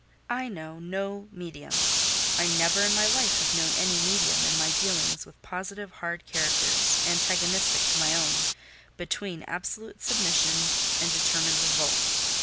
I know no medium: I never in my life have known any medium in my dealings with positive, hard characters, antagonistic to my own, between absolute submission and determined revolt.